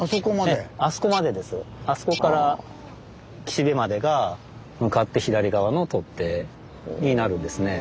ええあそこまあそこから岸辺までが向かって左側の突堤になるんですね。